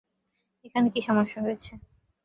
এখানে কী সমস্যা হয়েছে?